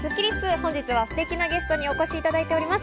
本日はステキなゲストにお越しいただいております。